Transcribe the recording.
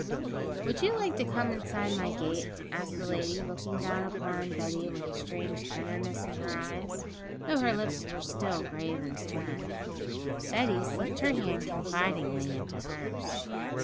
'Would you like to come inside my gate?' asked the lady, looking down upon Betty with a strange tenderness in her eyes, though her lips were still grave and stern. Betty slipped her hand confidingly into hers.